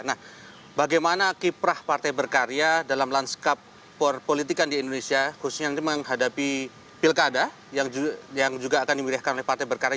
nah bagaimana kiprah partai berkarya dalam lanskap perpolitikan di indonesia khususnya menghadapi pilkada yang juga akan dimeriahkan oleh partai berkarya